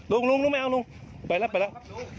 ลุงลุงไม่เอาลุงไปแล้วไปแล้ว